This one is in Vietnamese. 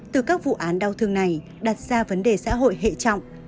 từ các vụ án đau thương này đặt ra vấn đề xã hội hệ trọng